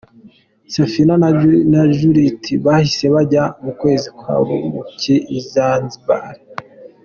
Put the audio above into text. Safi na Judithe bahise bajya mu kwezi kwa Buki i Zanzibar.